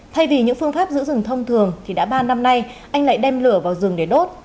thay vì những phương pháp giữ rừng thông thường thì đã ba năm nay anh lại đem lửa vào rừng để đốt